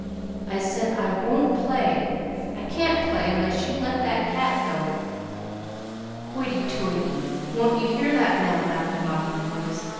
"I say I won't play I can't play unless you let that cat go." "Hoity toity! Won't ye hear that now?" laughed a mocking voice.